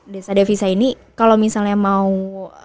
desa devisa ini kalau misalnya mau